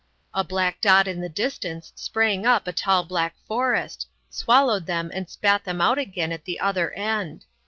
A black dot in the distance sprang up a tall black forest, swallowed them and spat them out again at the other end.